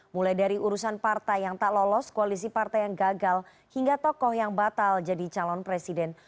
mulai dari urusan partai yang tak lolos koalisi partai yang gagal hingga tokoh yang batal jadi calon presiden